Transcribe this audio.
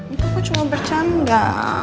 itu kok cuma bercanda